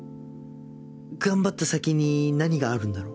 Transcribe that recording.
頑張った先に何があるんだろう？